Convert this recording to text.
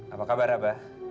apa kabar abah